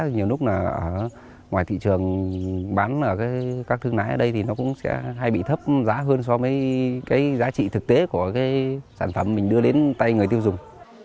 nhiều lúc là ở ngoài thị trường bán ở các thương lái ở đây thì nó cũng sẽ hay bị thấp giá hơn so với cái giá trị thực tế của cái sản phẩm mình đưa đến tay người tiêu dùng